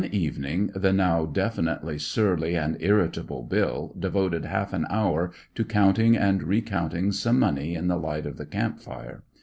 One evening the now definitely surly and irritable Bill devoted half an hour to counting and recounting some money in the light of the camp fire.